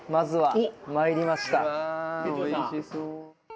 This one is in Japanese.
うわおいしそう。